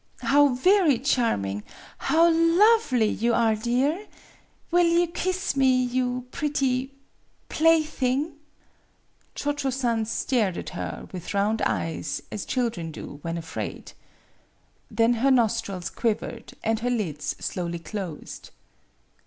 "How very charming how lovely you are, dear! Will you kiss me, you pretty plaything! " Cho Cho San stared at her with round eyes as children do when afraid. Then her nostrils quivered and her lids slowly closed.